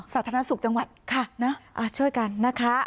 สาธารณสุขจังหวัดค่ะนะช่วยกันนะคะ